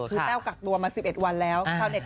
คือแต้วกักตัวมา๑๑วันแล้วชาวเต็